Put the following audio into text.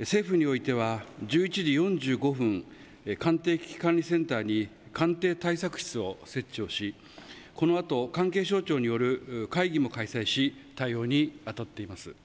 政府においては、１１時４５分官邸危機管理センターに官邸対策室を設置をしこのあと関係省庁による会議も開催し対応に当たっています。